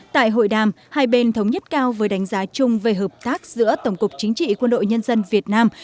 tại hội đàm hai bên thống nhất cao với đánh giá chung về hợp tác giữa tổng cục chính trị quân đội nhân dân việt nam